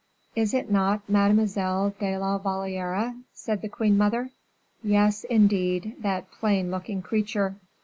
"Is it not Mademoiselle de la Valliere?" said the queen mother. "Yes, indeed, that plain looking creature."